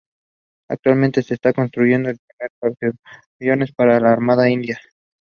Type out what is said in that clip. There are window openings with limestone window sills and lintels above the second floor.